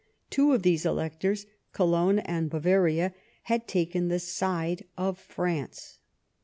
Two of these electors — Cologne and Bavaria — ^had taken the side of France.